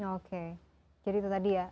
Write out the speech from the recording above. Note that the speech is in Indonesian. oke jadi itu tadi ya